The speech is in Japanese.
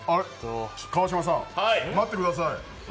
川島さん、待ってください。